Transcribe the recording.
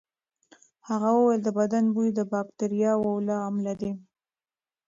هغه وویل د بدن بوی د باکتریاوو له امله دی.